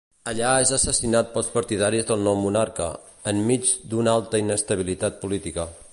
Allà és assassinat pels partidaris del nou monarca, enmig d'una alta inestabilitat política.